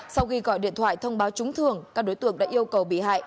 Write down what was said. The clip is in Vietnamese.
sau khi gọi điện thoại thông báo trúng thường các đối tượng đã yêu cầu bị hại